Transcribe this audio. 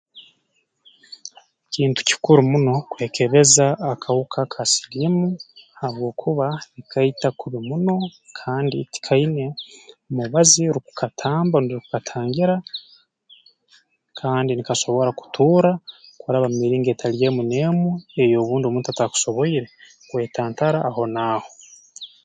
Kintu kikuru muno kwekebeza akahuka ka siliimu habwokuba kaita kubi muno kandi tikaine mubazi rukukatamba rundi rukukatangira kandi nikasobora kuturra kuraba mu miringo etali emu n'emu ei obundi omuntu ataakusoboire kwetantara aho naaho